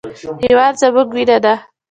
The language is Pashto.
هېواد زموږ وینه ده